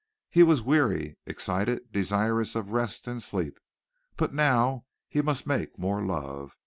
He was weary, excited, desirous of rest and sleep, but now he must make more love.